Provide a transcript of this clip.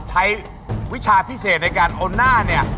วิชาพิเศษในการเอาหน้าเนี่ย